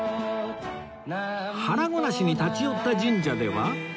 腹ごなしに立ち寄った神社では